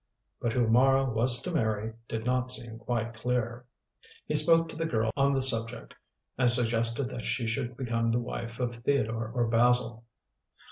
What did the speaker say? But who Mara was to marry did not seem quite clear. He spoke to the girl on the subject and suggested that she should become the wife of Theodore or Basil.